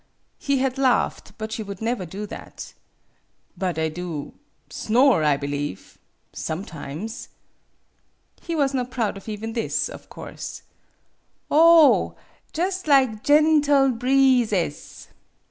He had laughed, but she would never do that. '' But I do snore, I believe sometimes. " 52 MADAME BUTTERFLY He was not proud of even this, of course. <( Ob ! Jus' lig gen tie bree zes."